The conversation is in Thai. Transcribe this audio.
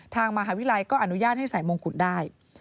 ทางมหาวิทยาลัยก็อนุญาตให้ใส่มงกุฎได้